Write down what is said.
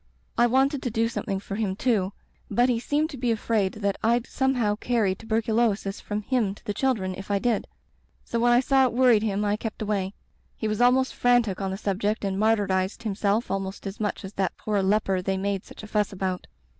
I wanted to do something for him, too, but he seemed to be afraid that Fd some how carry tuberculosis from him to the chil dren if I did; so when I saw it worried him I kept away. He was almost frantic on the subject and martyrized himself almost as much as that poor leper they made such a fuss about.